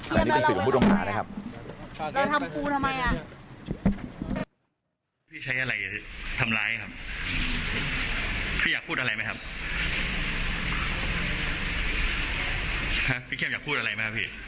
และนี่เป็นสื่อของผู้ตรงหานะครับ